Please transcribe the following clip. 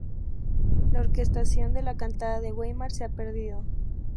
La orquestación de la cantata de Weimar se ha perdido.